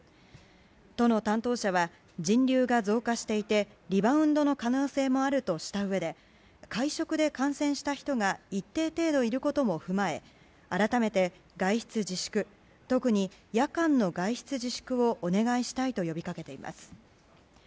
都の担当者は人流が増加していてリバウンドの可能性もあるとしたうえで会食で感染した人が一定程度いることも踏まえ改めて外出自粛特に夜間の外出自粛をお願いしたいと呼びかけています。